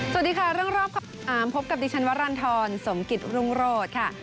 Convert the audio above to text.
สวัสดีค่ะเรื่องรอบพบกับดิฉันวรรณฑรสมกิจรุ่งโรศค่ะ